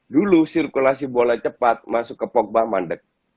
dulu sirkulasi bola cepat masuk ke pogba mandek